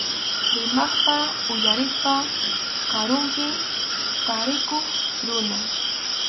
Rimaqpa uyariqpa karunpi tarikuq runa.